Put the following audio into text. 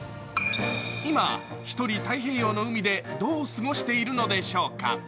今、一人、太平洋の海でどうスゴしているのでしょうか？